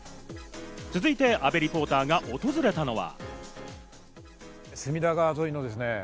続いて、阿部リポーターが訪れたのは。